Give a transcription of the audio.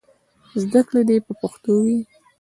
زدهکړې دې په پښتو وي.